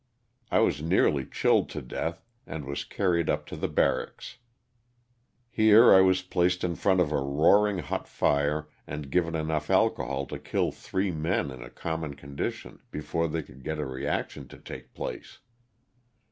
I was nearly chilled to death, and was carried up to the barracks. Here I was placed in 298 LOSS OF THE SULTANA. front of a roaring hot fire and given enough alcohol to kill three men in a common condition before they could get a reaction to take place.